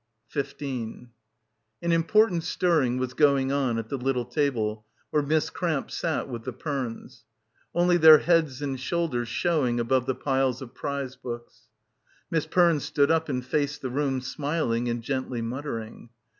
An important stirring was going on at the little table where Miss Cramp sat with the Pernes; only their heads and shoulders showing above the piles of prize books. Miss Perne stood up and faced the room smiling and gently muttering.